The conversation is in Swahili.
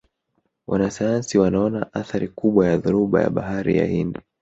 wanasayansi wanaona athari kubwa ya dhoruba ya bahari ya hindi